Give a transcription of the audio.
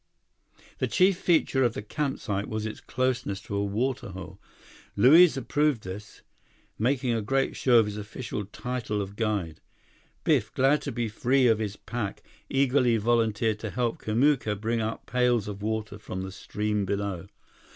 The chief feature of the campsite was its closeness to a water hole. Luiz approved this, making a great show of his official title of guide. Biff, glad to be free of his pack, eagerly volunteered to help Kamuka bring up pails of water from the stream below.